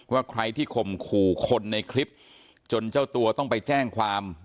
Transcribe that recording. ว่าใครที่ข่มขู่คนในคลิปจนเจ้าตัวต้องไปแจ้งความ